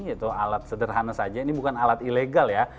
yaitu alat sederhana saja ini bukan alat ilegal ya